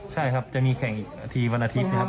ใช่ครับจะมีแข่งอีกทีวันอาทิตย์นะครับ